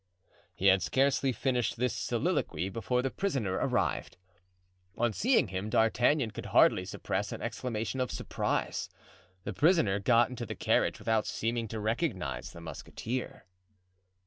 He had scarcely finished this soliloquy before the prisoner arrived. On seeing him D'Artagnan could hardly suppress an exclamation of surprise. The prisoner got into the carriage without seeming to recognize the musketeer.